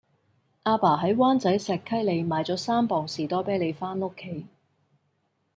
亞爸喺灣仔石溪里買左三磅士多啤梨返屋企